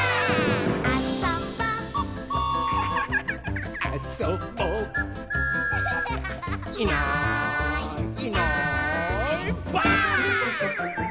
「あそぼ」「あそぼ」「いないいないばあっ！」